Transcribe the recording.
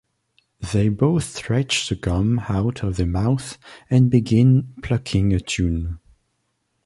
They both stretch the gum out of their mouths and begin plucking a tune.